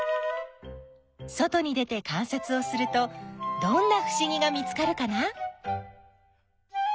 外に出てかんさつをするとどんなふしぎが見つかるかな？